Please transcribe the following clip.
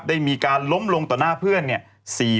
ได้มีการล้มลงต่อหน้าเพื่อนเนี่ย